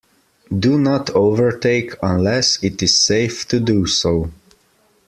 Do not overtake unless it is safe to do so.